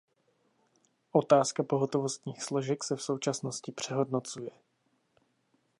Otázka pohotovostních složek se v současnosti přehodnocuje.